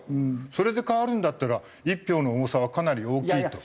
それで変わるんだったら一票の重さはかなり大きいと。